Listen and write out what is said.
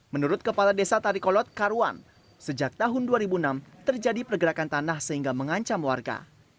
menurut kepala desa tarikolot karuan sejak tahun dua ribu enam terjadi pergerakan tanah sehingga mengancam warga